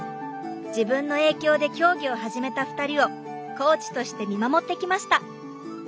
自分の影響で競技を始めた２人をコーチとして見守ってきました。